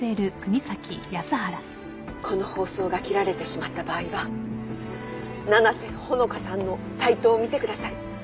この放送が切られてしまった場合は七瀬ほのかさんのサイトを見てください。